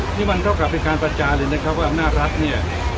นี่มันเท่ากับเป็นการประจานเลยนะครับว่าอำนาจรัฐเนี่ย